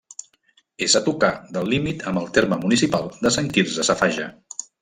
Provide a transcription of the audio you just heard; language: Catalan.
És a tocar del límit amb el terme municipal de Sant Quirze Safaja.